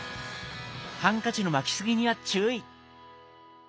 ハンカチの巻きすぎには注意。